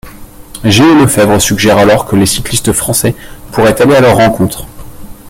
Géo Lefèvre suggère alors que les cyclistes français pourraient aller à leur rencontre.